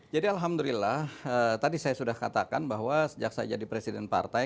jadi alhamdulillah tadi saya sudah katakan bahwa sejak saya jadi presiden partai